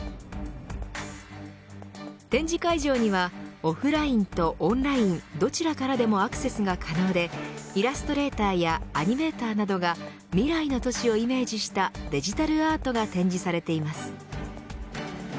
展示会場にはオフラインとオンラインどちらからでもアクセスが可能でイラストレーターやアニメーターなどが未来の都市をイメージしたデジタルアートが展示されています。